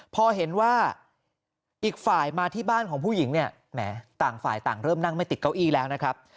พอเห็นว่าอีกฝ่ายมาที่บ้านของผู้หญิงเนี่ยแหมต่างฝ่ายต่างเริ่มนั่งไม่ติดเก้าอี้แล้วนะครับ